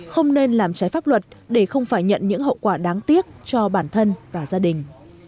không nên làm trái pháp luật để không phải nhận những hậu quả đáng tiếc cho bản thân và gia đình